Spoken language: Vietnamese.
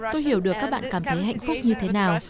tôi hiểu được các bạn cảm thấy hạnh phúc như thế nào